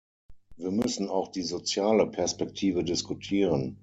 Wir müssen auch die soziale Perspektive diskutieren.